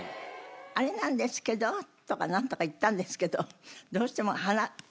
「あれなんですけど」とかなんとか言ったんですけどどうしても鼻。